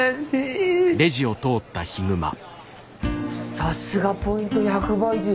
さすがポイント１００倍デー。